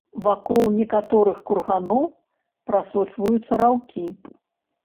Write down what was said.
Вакол некаторых курганоў прасочваюцца раўкі.